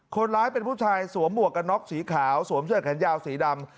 คนร้ายเป็นผู้ชายสวมหมวกกันน็อกสีขาวสวมเสื้อแขนยาวสีดำ